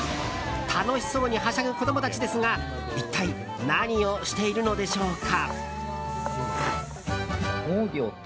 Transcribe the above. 楽しそうにはしゃぐ子供たちですが一体何をしているのでしょうか？